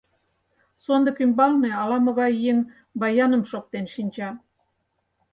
Сондык ӱмбалне ала-могай еҥ баяным шоктен шинча.